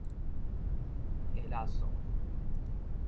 厄垃素